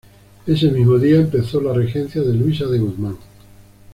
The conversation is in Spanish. Ese mismo día empezó la regencia de Luisa de Guzmán.